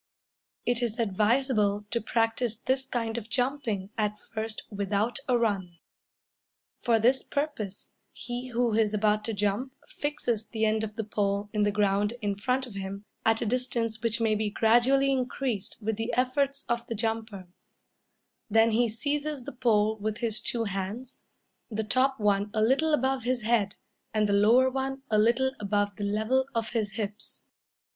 It is advisable to practice this kind of jumping at first without a run. For this purpose he who is about to jump fixes the end of the pole in the ground in front of him, at a distance which may be gradually increased with the efforts of the jumper; then he seizes the pole with his two hands the top one a little above his head, and the lower one a little above the level of his hips.